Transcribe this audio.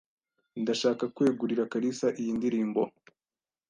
Ndashaka kwegurira Kalisa iyi ndirimbo.